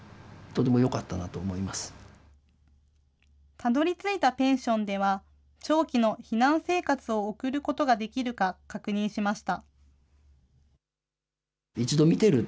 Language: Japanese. たどりついたペンションでは、長期の避難生活を送ることができるか確認しました。